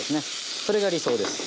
それが理想です。